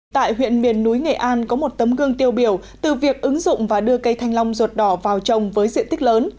tại huyện miền núi nghệ an có một tấm gương tiêu biểu từ việc ứng dụng và đưa cây thanh long ruột đỏ vào trồng với diện tích lớn